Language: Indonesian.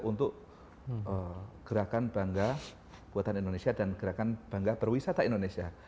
untuk gerakan bangga buatan indonesia dan gerakan bangga perwisata indonesia